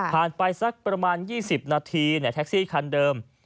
ไปสักประมาณ๒๐นาทีแท็กซี่คันเดิม